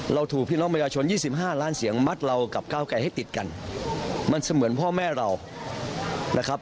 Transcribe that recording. ถูกพี่น้องประชาชน๒๕ล้านเสียงมัดเรากับก้าวไกลให้ติดกันมันเสมือนพ่อแม่เรานะครับ